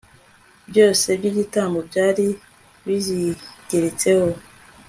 byose by'igitambo byari bizigeretseho